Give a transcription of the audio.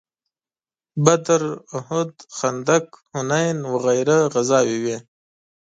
بدر، احد، خندق، حنین وغیره غزاوې وې.